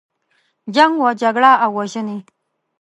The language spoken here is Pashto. جنګ و جګړه او وژنې.